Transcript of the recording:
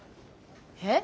えっ？